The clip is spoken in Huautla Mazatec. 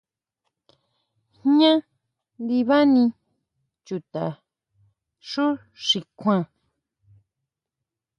Jñá ndibani chuta xu si kjuan.